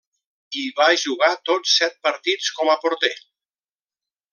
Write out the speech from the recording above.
Hi va jugar tots set partits com a porter.